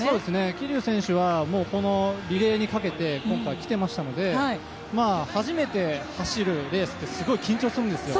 桐生選手はこのリレーにかけて今回、来ていましたので初めて走るレースってすごい緊張するんですよ。